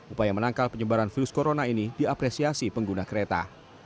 upaya menangkal penyebaran virus corona ini diapresiasi pengguna kereta